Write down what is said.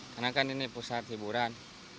karena kan ini pusat hiburan